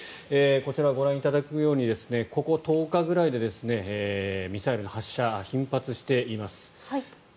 こちら、ご覧いただけるようにここ１０日ぐらいでミサイルの発射頻発しています。